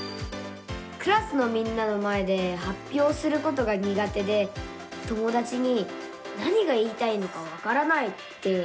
クラスのみんなの前ではっぴょうすることがにが手で友だちに「何が言いたいのかわからない」って言われちゃうんです。